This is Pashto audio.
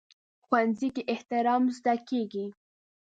ښوونځی کې احترام زده کېږي